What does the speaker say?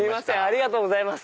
ありがとうございます。